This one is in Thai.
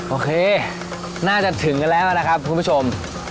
โอเคน่าจะถึงกันแล้วนะครับคุณผู้ชม